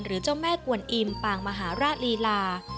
หรือเจ้าแม่กวนอิมปางมหาราฬีรา